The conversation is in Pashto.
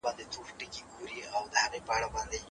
د عايد لږه اندازه تل پس انداز کيدله.